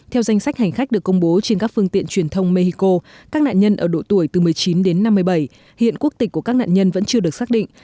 theo danh sách hành khách được công bố trên các phương tiện truyền thông mexico các nạn nhân ở độ tuổi từ một mươi chín đến năm mươi bảy hiện quốc tịch của các nạn nhân vẫn chưa được xác định